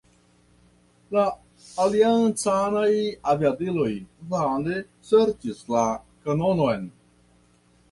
La aliancanaj aviadiloj vane serĉis la kanonon.